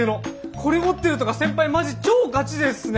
これ持ってるとか先輩マジ超ガチ勢っすね。